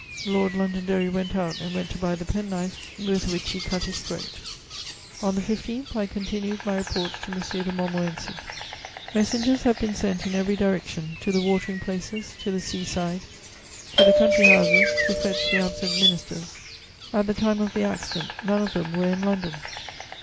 Lord Londonderry went out and went to buy the pen knife with which he cut his throat. On the 15th, I continued my reports to M. de Montmorency: "Messengers have been sent in every direction, to the watering places, to the sea side, to the country houses, to fetch the absent ministers. At the time of the accident none of them were in London.